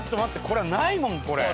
これはないもんこれ。